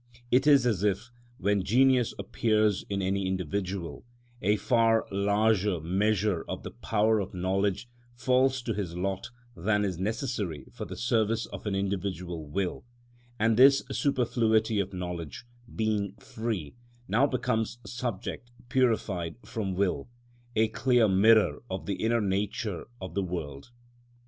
It is as if, when genius appears in an individual, a far larger measure of the power of knowledge falls to his lot than is necessary for the service of an individual will; and this superfluity of knowledge, being free, now becomes subject purified from will, a clear mirror of the inner nature of the world.